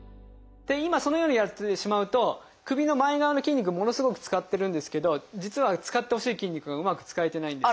今そのようにやってしまうと首の前側の筋肉ものすごく使ってるんですけど実は使ってほしい筋肉がうまく使えてないんです。